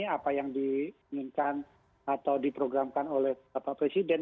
apa yang diinginkan atau diprogramkan oleh bapak presiden